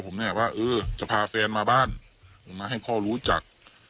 ผมเนี่ยว่าเออจะพาแฟนมาบ้านผมมาให้พ่อรู้จัก